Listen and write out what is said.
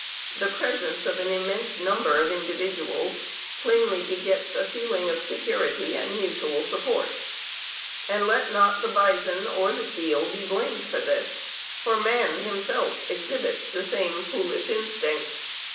The presence of an immense number of individuals plainly begets a feeling of security and mutual support. And let not the bison or the seal be blamed for this, for man himself exhibits the same foolish instinct.